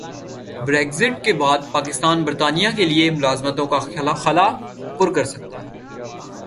Brexit کے بعد پاکستان برطانیہ کیلئے ملازمتوں کا خلا پر کرسکتا ہے